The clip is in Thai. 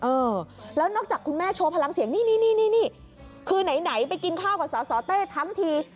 เออแล้วนอกจากคุณแม่โชว์พลังเสียงนี่นี่คือไหนไปกินข้าวกับสสเต้ทั้งที